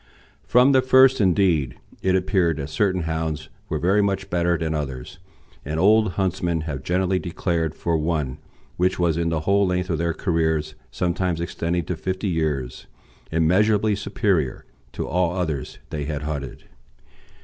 From the first, indeed, it appeared that certain hounds were very much better than others, and old huntsmen have generally declared for one which was in the whole length of their careers (sometimes extending to fifty years) immeasurably superior to all others they had hunted.